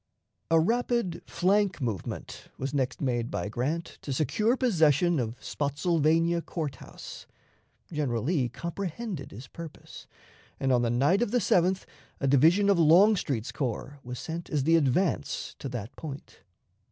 A rapid flank movement was next made by Grant to secure possession of Spottsylvania Court House. General Lee comprehended his purpose, and on the night of the 7th a division of Longstreet's corps was sent as the advance to that point.